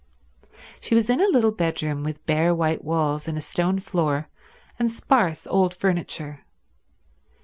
She was in a little bedroom with bare white walls and a stone floor and sparse old furniture.